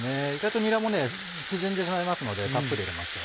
にらも縮んでしまいますのでたっぷり入れましょう。